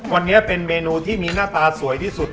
วันนี้เป็นเมนูที่มีหน้าตาสวยที่สุด